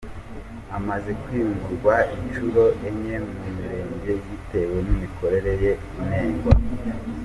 Amaze kwimurwa inshuro enye mu mirenge bitewe n’imikorere ye inengwa.